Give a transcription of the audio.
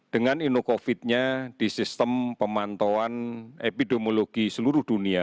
dengan inu covid nya di sistem pemantauan epidemiologi seluruh dunia